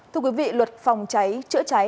thưa quý vị luật phòng cháy chữa cháy